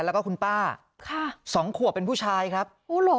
แล้วก็คุณป้าค่ะสองขวบเป็นผู้ชายครับโอ้เหรอ